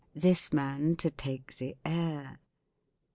This man to take the air.